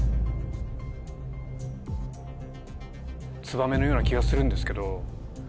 ツバメのような気がするんですけど。